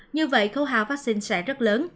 như vậy khấu hạo vaccine sẽ rất lớn